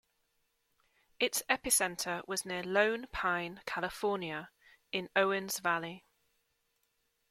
Its epicenter was near Lone Pine, California, in Owens Valley.